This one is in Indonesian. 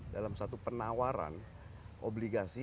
dalam satu penawaran obligasi